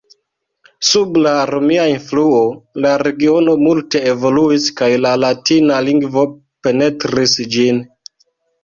Sub la romia influo la regiono multe evoluis kaj la latina lingvo penetris ĝin.